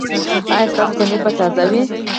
ایا ستاسو پنیر به تازه وي؟